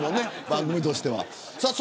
番組としては。